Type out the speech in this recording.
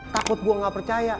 takut gua gak percaya